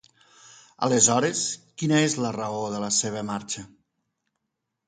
Aleshores, quina és la raó de la seva marxa?